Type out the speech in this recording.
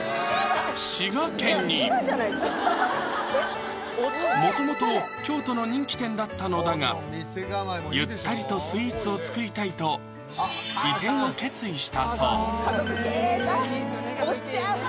滋賀県にもともと京都の人気店だったのだがゆったりとスイーツを作りたいと移転を決意したそう家族経営か押しちゃう！